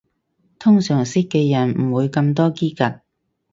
通常識嘅人唔會咁多嘰趷